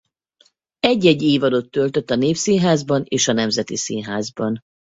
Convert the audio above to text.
Egy-egy évadot töltött a Népszínházban és a Nemzeti Színházban.